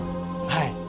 はい。